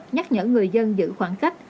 nhắc nhở người dân giữ khoảng cách